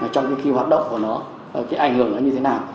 trong khi hoạt động của nó ở cái ảnh hưởng nó như thế nào